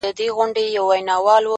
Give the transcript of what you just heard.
دا ځلي غواړم لېونی سم د هغې مینه کي ـ